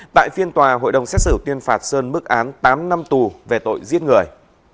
tại phiên tòa hội đồng xét xử tuyên phạt sơn bức án tám năm tù về tội giết người